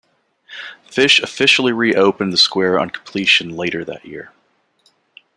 Fish officially reopened the square on completion later that year.